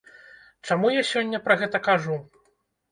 Чаму я сёння пра гэта кажу?